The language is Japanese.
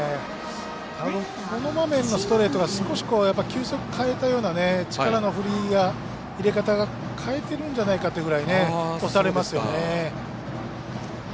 たぶん、この場面のストレートは球速変えたような、力の入れ方が変えてるんじゃないかっていうぐらい押されますよね。